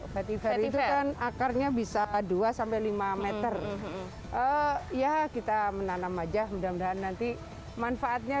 pathy fair itu kan akarnya bisa dua lima m ya kita menanam aja mudah mudahan nanti manfaatnya